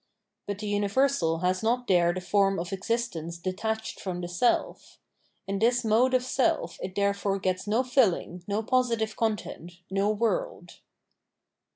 But the universal has not there the form of exist ence detached from the self : in this mode of self it therefore gets no filling, no positive content, no world.